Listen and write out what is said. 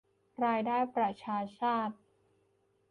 รายได้ประชาชาติ